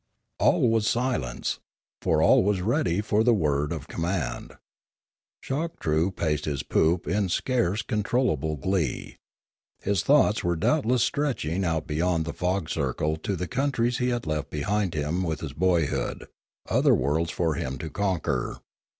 All was silence, for all was ready for the word of 210 Limanora command. Choktroo paced his poop in scarce con trollable glee. His thoughts were doubtless stretching out beyond the fog circle to the countries he had left behind him with his boyhood, other worlds for him to conquer.